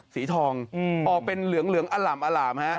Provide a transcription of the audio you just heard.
สีทองออกเป็นเหลืองอล่ามฮะ